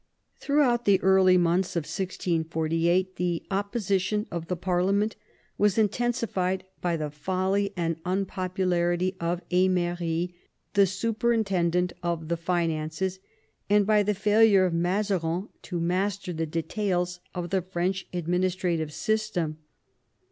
Throughout the early months of 1648 the opposition of the pa/rlememl was intensified by the folly and unpopu larity of Emery, the superintendent of the finances, and by the failure of Mazarin to master the details of the French administrative system.